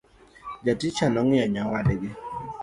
jatich cha nongiyo nyawadgi bang'e to ong'iyo dichuo